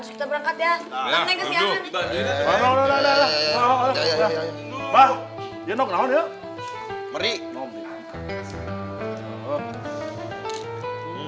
sekarang abang sarapannya cepetan kita berangkat ya